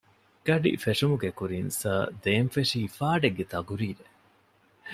ގަޑި ފެށުމުގެ ކުރިން ސާރ ދޭން ފެށީ ފާޑެއްގެ ތަޤުރީރެއް